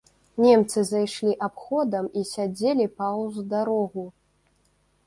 Немцы зайшлі абходам і сядзелі паўз дарогу.